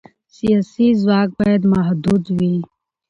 سیاسي ځواک باید محدود وي